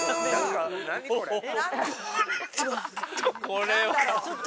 これは。